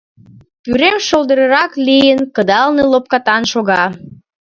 Пӱрем шолдырарак лийын, кыдалне лопкатан шога.